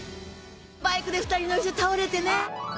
バイクで２人乗りして倒れてね。